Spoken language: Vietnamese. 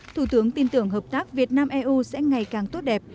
thủ tướng tin tưởng hợp tác việt nam eu sẽ ngày càng tốt đẹp